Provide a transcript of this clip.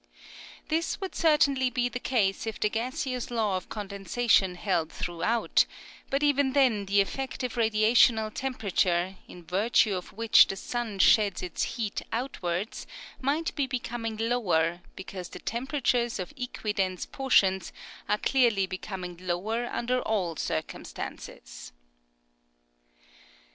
This would certainly be the case if the gaseous law of condensation held throughout, but even then the effective radiational temperature, in virtue of which the sun sheds his heat outwards, might be becom ing lower, because the temperatures of equi dense portions are clearly becoming lower under all circumstances.